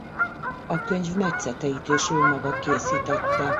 A könyv metszeteit is ő maga készítette.